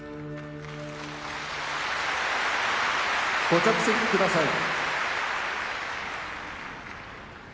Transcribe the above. ご着席ください。